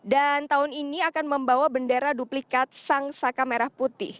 dan tahun ini akan membawa bendera duplikat sang saka merah putih